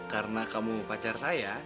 karena kamu pacar saya